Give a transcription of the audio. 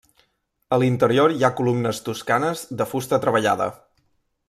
A l'interior hi ha columnes toscanes de fusta treballada.